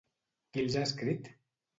Qui els ha escrit?